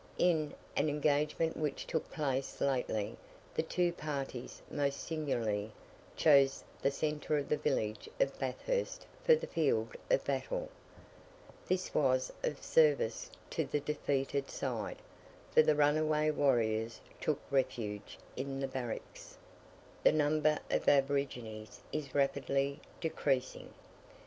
In an engagement which took place lately, the two parties most singularly chose the centre of the village of Bathurst for the field of battle. This was of service to the defeated side, for the runaway warriors took refuge in the barracks. The number of aborigines is rapidly decreasing.